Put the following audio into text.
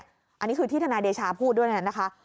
อันนี้คือที่ทนายเดชาพูดด้วยนะคะ